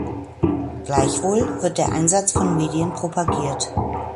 Gleichwohl wird der Einsatz von Medien propagiert.